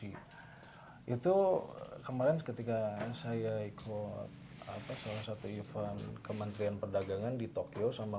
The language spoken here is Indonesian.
itu kemarin ketika saya ikut apa salah satu event kementerian perdagangan di tokyo sama